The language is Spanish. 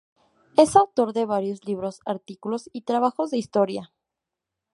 Es autor de varios libros, artículos y trabajos de historia.